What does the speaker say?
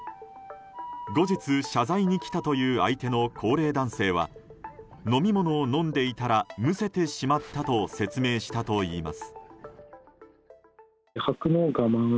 後日謝罪に来たという相手の高齢男性は飲み物を飲んでいたらむせてしまったと説明したといいます。